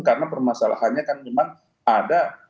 karena permasalahannya kan cuman ada